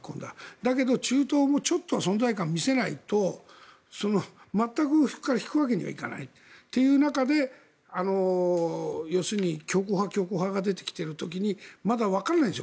だけど中東もちょっとは存在感を見せないと全く引くわけにはいかないという中で要するに、強硬派と強硬派が出てきている時にまだわからないんですよ。